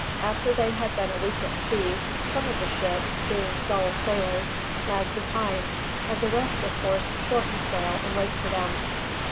After they had been a week at sea, some of the ships, being dull sailers, lagged behind, and the rest were forced to shorten sail and wait for them.